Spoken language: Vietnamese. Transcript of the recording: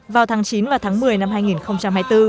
vào tháng chín và tháng một mươi năm hai nghìn hai mươi bốn